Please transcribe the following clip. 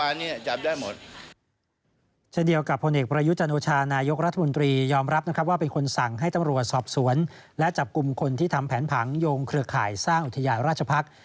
และก็เกี่ยวข้องกับการทำแผนผังเชื่อมโยงกรณีอุทยานราชภักษ์